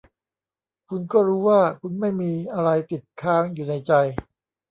คุณก็รู้ว่า คุณไม่มีอะไรติดค้างอยู๋ในใจ